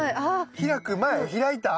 開く前開いた後。